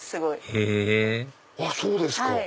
へぇそうですか！